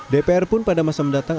dpr pun pada masa mendatang